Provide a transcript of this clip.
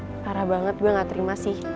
karena parah banget gue gak terima sih